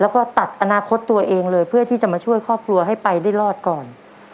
แล้วก็ตัดอนาคตตัวเองเลยเพื่อที่จะมาช่วยครอบครัวให้ไปได้รอดก่อน